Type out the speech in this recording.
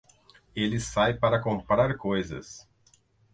Ele sai para comprar coisas